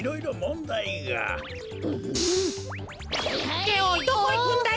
っておいどこいくんだよ？